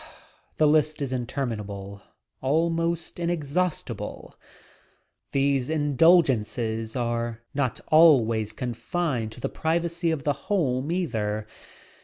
The list is interminable — almost inexhaustable. These indulgences are not always confined to the privacy of the home, either.